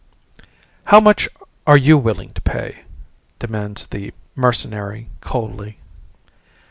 "How much are you willing to pay?" demands the mercenary coldly.